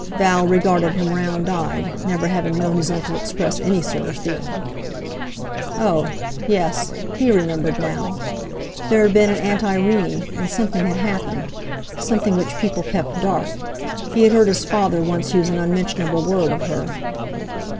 Val regarded him round eyed, never having known his uncle express any sort of feeling. Oh! Yes—he remembered now—there had been an Aunt Irene, and something had happened—something which people kept dark; he had heard his father once use an unmentionable word of her.